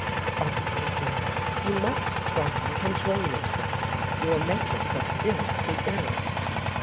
But, Audry dear, you must try and control yourself, you will make yourself seriously ill."